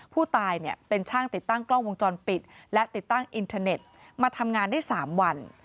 ผู้ตายเนี่ยเป็นช่างติดตั้งกล้องวงจรปิดและติดตั้งอินเทอร์เน็ตมาทำงานได้๓วัน